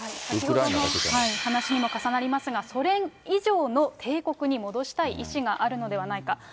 先ほどの話と重なりますが、ソ連以上の帝国に戻したい意思があるのではないか。